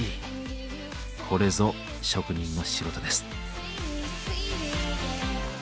これぞ職人の仕事です。